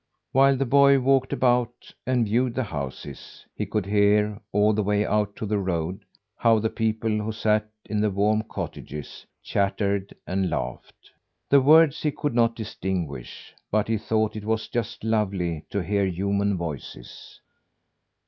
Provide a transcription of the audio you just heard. While the boy walked about and viewed the houses, he could hear, all the way out to the road, how the people who sat in the warm cottages chattered and laughed. The words he could not distinguish, but he thought it was just lovely to hear human voices.